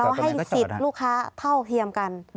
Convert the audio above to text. เขาให้สิทธิ์ลูกค้าเท่าเทียมกัน